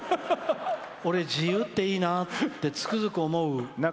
俺、自由っていいなってつくづく思う。